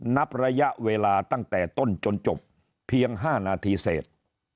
นับระยะเวลาตั้งแต่ต้นจนจบเพียง๕นาทีเสร็จ